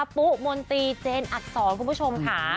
ปุมนตรีเจนอักษรคุณผู้ชมค่ะ